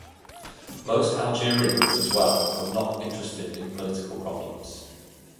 Most Algerians, as well, were not interested in political problems.